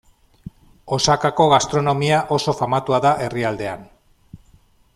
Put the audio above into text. Osakako gastronomia oso famatua da herrialdean.